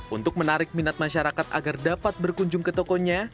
untuk menarik minat masyarakat agar dapat berkunjung ke tokonya